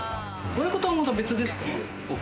親方は別ですか？